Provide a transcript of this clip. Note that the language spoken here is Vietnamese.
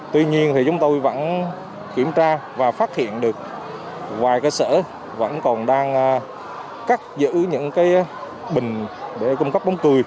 tuy nhiên thì chúng tôi vẫn kiểm tra và phát hiện được vài cơ sở vẫn còn đang cắt giữ những cái bình để cung cấp bóng cười